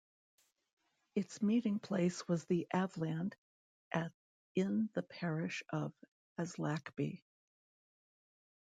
Its meeting place was The Aveland at in the parish of Aslackby.